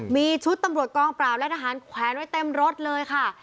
มีชุดตำรวจกองปราบและทหารแขวนไว้เต็มรถเลยค่ะ